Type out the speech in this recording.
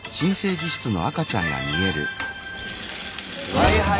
はいはい。